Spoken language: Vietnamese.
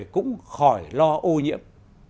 cũng khỏi lo ô nhiễm